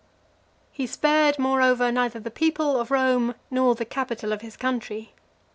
XXXVIII. He spared, moreover, neither the people of Rome, nor the capital of his country.